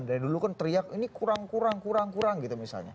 dari dulu kan teriak ini kurang kurang kurang gitu misalnya